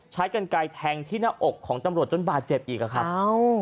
ใช้กันไกลแทงที่หน้าอกของตำรวจจนบาดเจ็บอีกอ่ะครับเอ้า